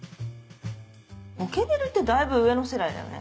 ポケベルってだいぶ上の世代だよね？